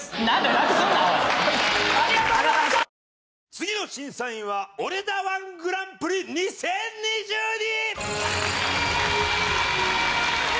次の審査員は俺だ−１グランプリ２０２２！